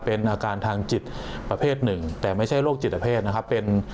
เป็นอาการทางจิตประเภทหนึ่งแต่ไม่ใช่โรคจิตเพศนะครับเป็น